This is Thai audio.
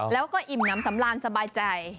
แล้วก็อิ่มน้ำสำราญสบายใจ